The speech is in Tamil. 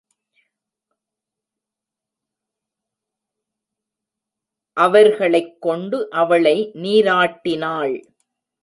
அவர்களைக் கொண்டு அவளை நீராட்டினாள்.